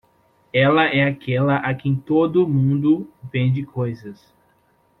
Ela é aquela a quem todo mundo vende coisas.